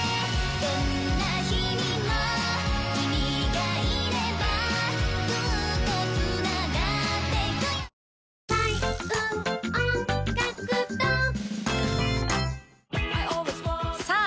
どんな日々も君がいればずっと繋がってゆくよさあ